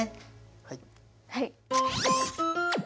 はい！